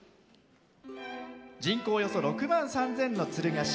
人口は、およそ６万３０００の敦賀市。